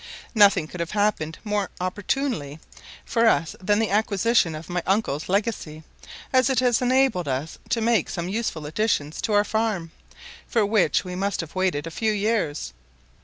Nothing could have happened more opportunely for us than the acquisition of my uncle's legacy, as it has enabled us to make some useful additions to our farm, for which we must have waited a few years.